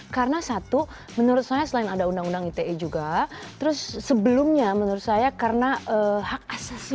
karena satu menurut saya selain ada undang undang ite juga terus sebelumnya menurut saya karena hak asasi manusia